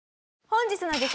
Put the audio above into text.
本日の激